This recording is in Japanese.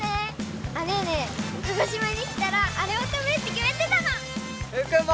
あねーねー鹿児島に来たらあれを食べるってきめてたの！